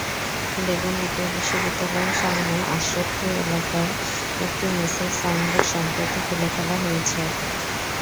বেগম রোকেয়া বিশ্ববিদ্যালয়ের সামনে আশরতপুর এলাকার একটি মেসের সাইনবোর্ড সম্প্রতি খুলে ফেলা হয়েছে।